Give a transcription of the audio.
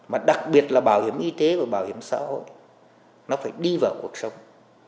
mà đặc biệt là bảo hiểm y tế và bảo hiểm xã hội nó phải đi vào cuộc sống